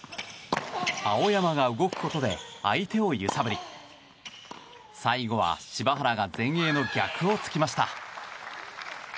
青山が動くことで相手を揺さぶり最後は柴原が前衛の逆を突きました。